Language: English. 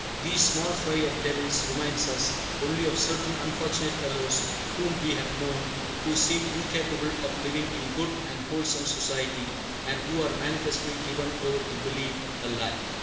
These small fry of devils remind us only of certain unfortunate fellows whom we have known, who seem incapable of living in good and wholesome society, and who are manifestly given over to believe a lie.